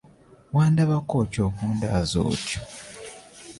Wandabako ki okundaaza otyo?